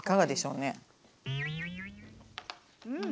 うん。